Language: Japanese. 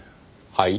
はい？